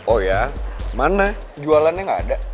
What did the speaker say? oh ya mana jualannya nggak ada